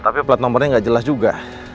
tapi plat nomornya nggak jelas juga